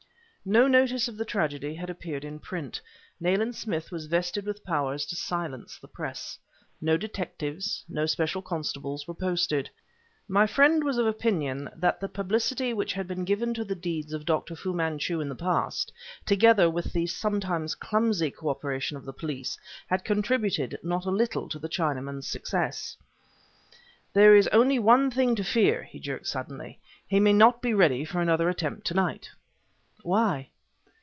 No notice of the tragedy had appeared in print; Nayland Smith was vested with powers to silence the press. No detectives, no special constables, were posted. My friend was of opinion that the publicity which had been given to the deeds of Dr. Fu Manchu in the past, together with the sometimes clumsy co operation of the police, had contributed not a little to the Chinaman's success. "There is only one thing to fear," he jerked suddenly; "he may not be ready for another attempt to night." "Why?"